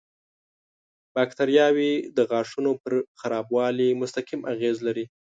باکتریاوې د غاښونو پر خرابوالي مستقیم اغېز لري.